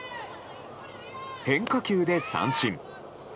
変化球で三振。